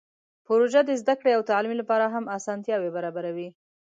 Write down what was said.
پروژه د زده کړې او تعلیم لپاره هم اسانتیاوې برابروي.